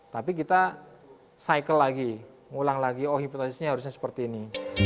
tapi kita cycle lagi ulang lagi oh hipotesisnya harusnya seperti ini